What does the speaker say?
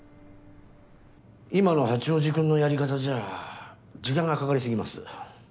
今の八王子君のやり方じゃ時間がかかり過ぎます。